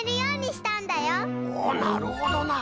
なるほどな。